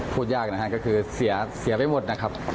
พูดยากนะครับก็คือเสียไปหมดนะครับ